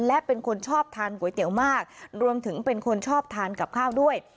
และเป็นคนชอบทานก๋วยเตี๋ยวมากรวมถึงเป็นคนชอบทานกับข้าวด้วย